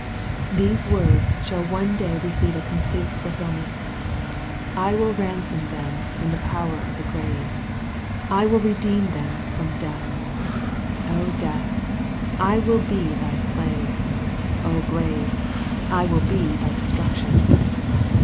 Those words shall one day receive a complete fulfilment, " I will ransom them from the power of the grave : I will redeem them from death : death, I will be thy plagues : grave, I will be thy destruction."